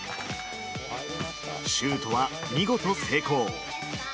シュートは見事成功。